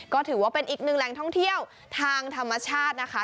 ก็ถือว่าเป็นอีกหนึ่งแหล่งท่องเที่ยวทางธรรมชาตินะคะ